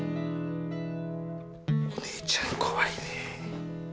おネエちゃん怖いね。